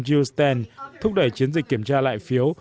jill sten thúc đẩy chiến dịch kiểm tra lại phiếu